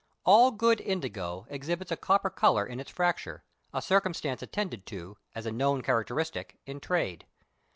All good indigo exhibits a copper colour in its fracture, a circumstance attended to, as a known characteristic, in trade.